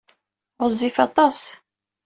Ɣezzif aṭas.